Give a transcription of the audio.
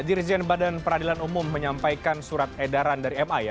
dirjen badan peradilan umum menyampaikan surat edaran dari ma ya